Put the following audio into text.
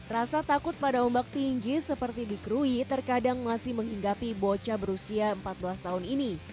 rasa takut pada ombak tinggi seperti di krui terkadang masih menghinggapi bocah berusia empat belas tahun ini